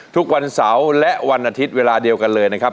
ทุกวันเสาร์และวันอาทิตย์เวลาเดียวกันเลยนะครับ